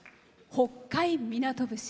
「北海港節」。